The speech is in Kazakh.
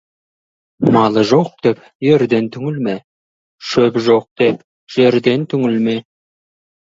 Малы жоқ деп ерден түңілме, шөбі жоқ деп жерден түңілме.